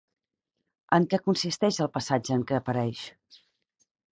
En què consisteix el passatge en què apareix?